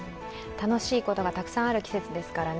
楽しいことがたくさんある季節ですからね。